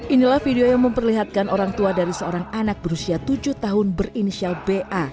inilah video yang memperlihatkan orang tua dari seorang anak berusia tujuh tahun berinisial ba